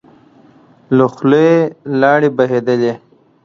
له خولی يې لاړې بهېدلې.